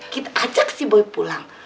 kita ajak si boy pulang